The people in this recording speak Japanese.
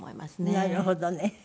なるほどね。